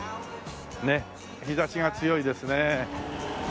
ねえ日差しが強いですね。